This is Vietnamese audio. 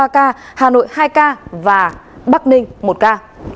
ba ca hà nội hai ca và bắc ninh một ca